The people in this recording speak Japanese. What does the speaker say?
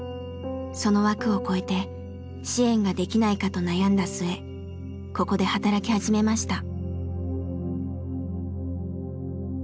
その枠を超えて支援ができないかと悩んだ末ここで働き始めました。